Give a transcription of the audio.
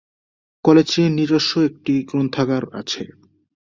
কলেজটির নিজস্ব একটি গ্রন্থাগার আছে।